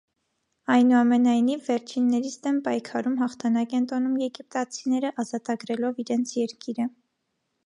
Այնուամենայնիվ, վերջիններիս դեմ պայքարում հաղթանակ են տոնում եգիպտացիները՝ ազատագրելով իրենց երկիրը։